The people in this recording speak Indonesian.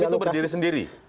tapi itu berdiri sendiri